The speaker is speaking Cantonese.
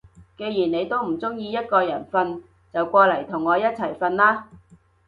既然你都唔中意一個人瞓，就過嚟同我一齊瞓啦